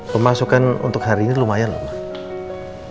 pemasukan untuk hari ini lumayan mak